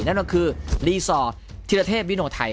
นั่นก็คือรีซอร์ธิรเทพวิโนไทย